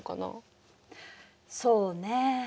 そうね。